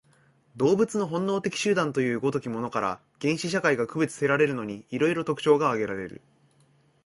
動物の本能的集団という如きものから、原始社会が区別せられるのに、色々特徴が挙げられる。